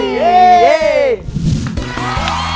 สว่า